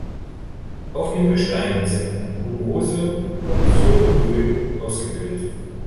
Auf dem Gestein sind humose podsole Böden ausgebildet.